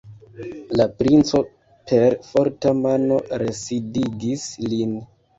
La princo per forta mano residigis lin.